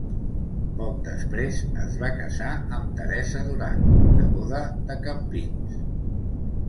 Poc després es va casar amb Teresa Duran, neboda de Campins.